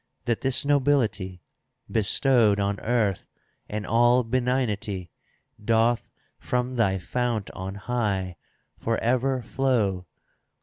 That this nobility. Bestowed on earth, and all benignity Doth from thy fount on high for ever flow.